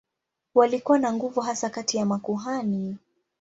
Walikuwa na nguvu hasa kati ya makuhani.